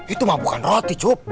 itu mah bukan roti cup